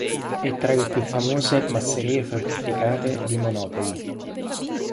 È tra le più famose masserie fortificate di Monopoli.